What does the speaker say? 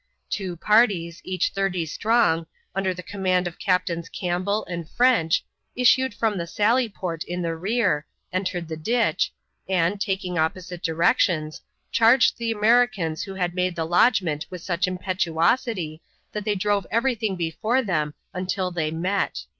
Two parties, each 30 strong, under the command of Captains Campbell and French, issued from the sally port in the rear, entered the ditch, and, taking opposite directions, charged the Americans who had made the lodgment with such impetuosity that they drove everything before them until they met.